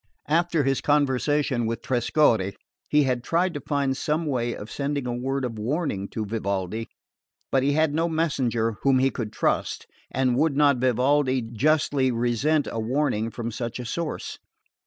After his conversation with Trescorre he had tried to find some way of sending a word of warning to Vivaldi; but he had no messenger whom he could trust; and would not Vivaldi justly resent a warning from such a source?